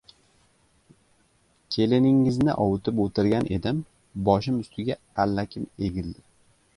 Keliningizni ovutib o‘tirgan edim, boshim ustiga allakim egildi: